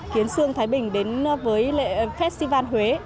khiến sương thái bình đến với festival huế